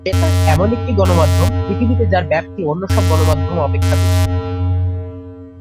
বেতার এমন একটি গণমাধ্যম পৃথিবীতে যার ব্যাপ্তি অন্য সব গণমাধ্যম অপেক্ষা বেশি।